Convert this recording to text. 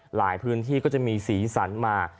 หลายพื้นที่ก็จะมีสีสันมา